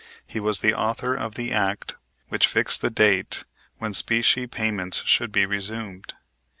He was the author of the act which fixed the date when specie payments should be resumed.